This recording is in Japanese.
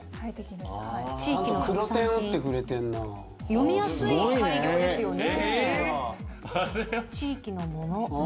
読みやすい改行ですよね。